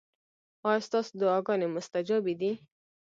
ایا ستاسو دعاګانې مستجابې دي؟